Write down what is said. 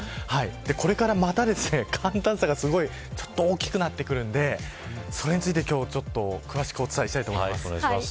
これから、また寒暖差がすごいちょっと大きくなってくるんでそれについて今日は詳しくお伝えしたいと思います。